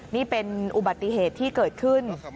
นี่เป็นอุบัติเหตุที่เกิดขึ้น